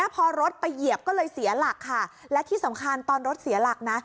พอรถไปเหยียบก็เลยเสียหลักค่ะและที่สำคัญตอนรถเสียหลักนะ